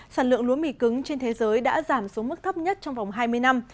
sản lượng lúa mì cứng trên thế giới đã giảm xuống mức thấp nhất trong vòng hai mươi năm